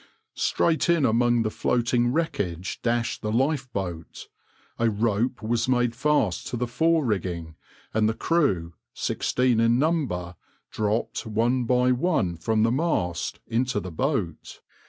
Straight in among the floating wreckage dashed the lifeboat, a rope was made fast to the fore rigging, and the crew, sixteen in number, dropped one by one from the mast into the boat.